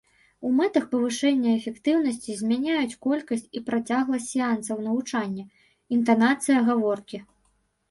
У мэтах павышэння эфектыўнасці змяняюць колькасць і працягласць сеансаў навучання, інтанацыя гаворкі.